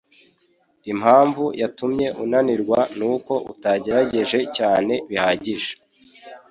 Impamvu yatumye unanirwa nuko utagerageje cyane bihagije.